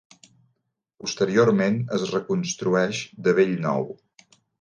Posteriorment es reconstrueix de bell nou.